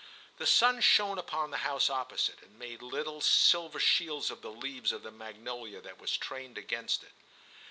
The sun shone upon the house opposite, and made little silver shields of the leaves of the magnolia that was trained against it.